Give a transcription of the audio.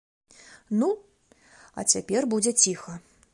Ну, а цяпер будзе ціха.